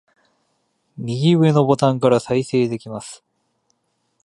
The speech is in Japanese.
右上のボタンから再生できます